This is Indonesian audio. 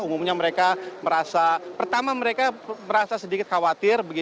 umumnya mereka merasa pertama mereka merasa sedikit khawatir